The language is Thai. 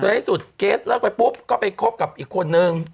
ที่สุดเกสเลิกไปปุ๊บก็ไปคบกับอีกคนนึง